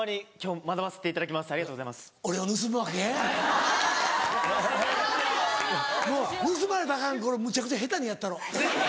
もう盗まれたらアカンから俺むちゃくちゃ下手にやったろ。